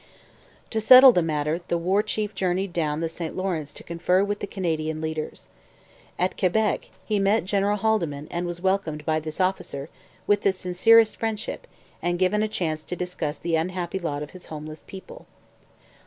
To settle the matter the War Chief journeyed down the St Lawrence to confer with the Canadian leaders. At Quebec he met General Haldimand and was welcomed by this officer with the sincerest friendship and given a chance to discuss the unhappy lot of his homeless people.